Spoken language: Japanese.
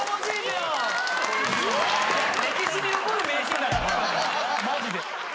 歴史に残る名シーンだから。